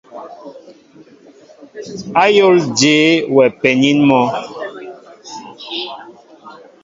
Ayól jeé wɛ penin mɔ?